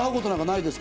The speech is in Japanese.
ないです！